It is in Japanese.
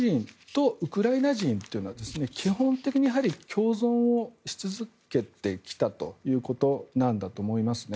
クリミア・タタール人とウクライナ人というのは基本的に共存をし続けてきたということなんだと思いますね。